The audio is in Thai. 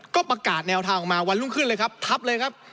ก็ประกาศแนวทางออกมาวันรุ่งขึ้นเลยครับทับเลยครับ